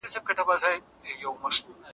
او د سوکالۍ لاره ده.